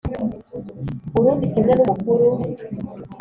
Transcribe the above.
Urundi kimwe n umukuru